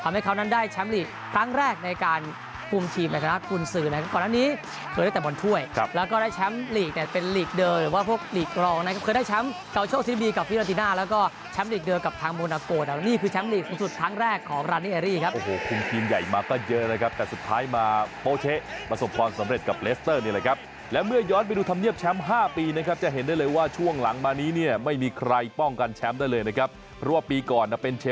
ทำให้เขาได้แชมป์ลีกครั้งแรกในการภูมิทีมแรกภูมิศาสตร์ภูมิศาสตร์ภูมิศาสตร์ภูมิศาสตร์ภูมิศาสตร์ภูมิศาสตร์ภูมิศาสตร์ภูมิศาสตร์ภูมิศาสตร์ภูมิศาสตร์ภูมิศาสตร์ภูมิศาสตร์ภูมิศาสตร์ภูมิศาสตร์ภูมิศาสตร์ภูมิศ